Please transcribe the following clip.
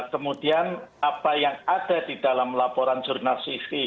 kemudian apa yang ada di dalam laporan jurnalistik itu